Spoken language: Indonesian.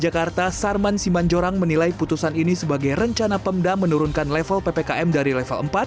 jakarta sarman simanjorang menilai putusan ini sebagai rencana pemda menurunkan level ppkm dari level empat